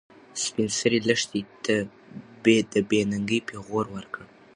سپین سرې لښتې ته د بې ننګۍ پېغور ورکړ.